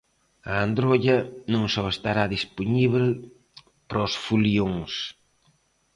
A androlla non só estará dispoñíbel para os folións.